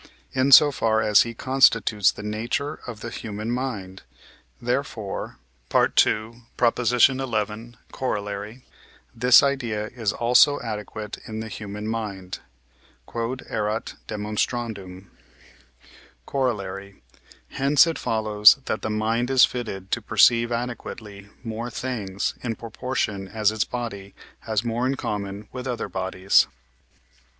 in so far as he constitutes the nature of the human mind; therefore (II. xi. Coroll.) this idea is also adequate in the human mind. Q.E.D. Corollary. Hence it follows that the mind is fitted to perceive adequately more things, in proportion as its body has more in common with other bodies.